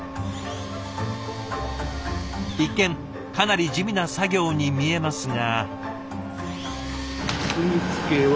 一見かなり地味な作業に見えますが。